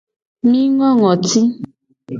Mi ngo ngoti.